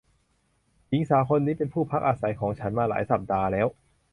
หญิงสาวคนนี้เป็นผู้พักอาศัยของฉันมาหลายสัปดาห์แล้ว